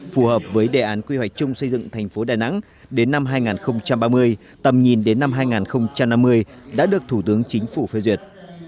phù hợp với đề án quy hoạch chung xây dựng thành phố đà nẵng đến năm hai nghìn ba mươi tầm nhìn đến năm hai nghìn năm mươi đã được thủ tướng chính phủ phê duyệt